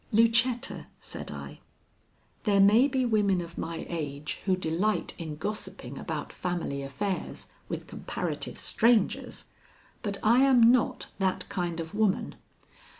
"Lucetta," said I, "there may be women of my age who delight in gossiping about family affairs with comparative strangers, but I am not that kind of woman.